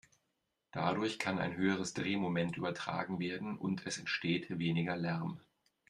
Dadurch kann ein höheres Drehmoment übertragen werden und es entsteht weniger Lärm.